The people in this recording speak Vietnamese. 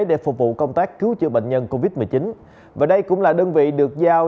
để phục vụ công tác cứu chữa bệnh nhân covid một mươi chín và đây cũng là đơn vị được giao